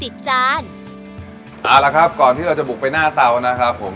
เอาละครับก่อนที่เราจะบุกไปหน้าเตานะครับผม